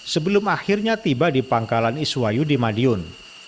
sebelum akhirnya tiba di pangkalan iswah yudi madiun